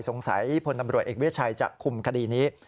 สงสัยพตำรวจเอกเบียดชัยจะคุมคดีนี้